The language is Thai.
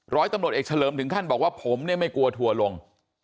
ร้อยตำรวจเอกเฉลิมถึงขั้นบอกว่าผมเนี่ยไม่กลัวทัวร์ลง